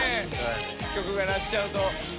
曲が鳴っちゃうと。